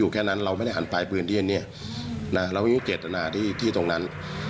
อยู่แค่นั้นเราไม่ได้หันปลายปืนที่นี่นะเราไม่มีเกร็จนะที่ตรงนั้น